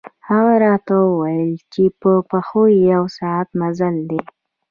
هغه راته ووېل چې په پښو یو ساعت مزل دی.